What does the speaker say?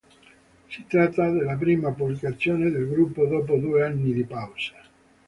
Si tratta della prima pubblicazione del gruppo dopo due anni di pausa.